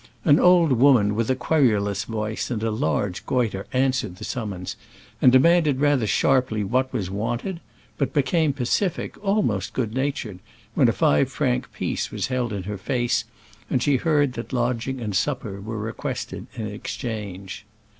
An old woman with querulous voice and with a large goitre answered the summons, and demanded rather sharply what was wanted, but be came pacific, almost good natured, when a five franc piece was held in her face and she heard that lodging and supper were requested in exchange.